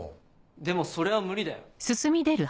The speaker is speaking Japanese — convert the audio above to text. でもそれは無理だよ。